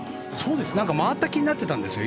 なんか回った気になってたんですよ